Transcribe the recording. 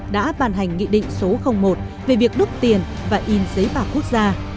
đã bàn hành nghị định số một về việc đúc tiền và in giấy bạc quốc gia